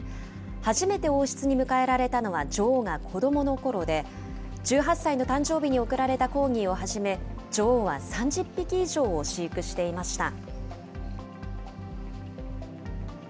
初めて王室に迎えられたのは、女王が子どものころで、１８歳の誕生日に贈られたコーギーをはじめ、女王は３０匹以上を飼育していました。